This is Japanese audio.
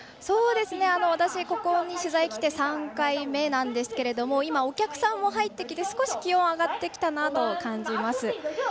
ここに取材にきて３回目なんですけれども今、お客さんも入ってきて少し気温が上がってきたなと感じます。